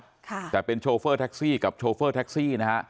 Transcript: ค่ะแต่เป็นโชเฟอร์แท็กซี่กับโชเฟอร์แท็กซี่นะฮะ